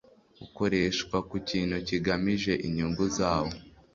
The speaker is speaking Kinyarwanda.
ukoreshwa ku kintu kigamije inyungu zawo